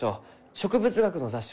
植物学の雑誌？